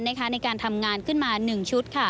ในการทำงานขึ้นมา๑ชุด